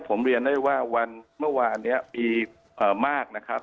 ผมเรียนได้ว่าวันเมื่อวานนี้มีมากนะครับ